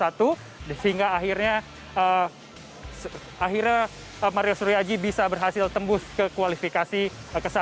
sehingga akhirnya mario suryo aji bisa berhasil tembus ke kualifikasi ke satu